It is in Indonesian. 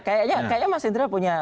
kayaknya mas indra punya